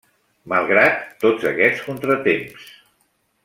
Malgrat tots aquests contratemps.